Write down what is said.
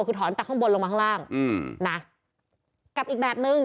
คือถอนจากข้างบนลงมาข้างล่างอืมนะกับอีกแบบนึง